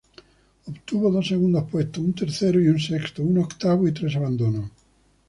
Obtuvo dos segundos puestos, un tercero, un sexto, un octavo y tres abandonos.